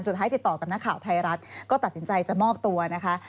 ติดต่อกับนักข่าวไทยรัฐก็ตัดสินใจจะมอบตัวนะคะ